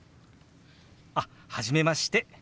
あっ初めまして。